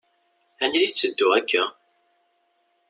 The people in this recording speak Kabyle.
Anida i tetteddu akka?